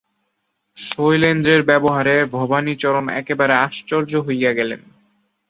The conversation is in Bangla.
শৈলেন্দ্রের ব্যবহারে ভবানীচরণ একেবারে আশ্চর্য হইয়া গেলেন।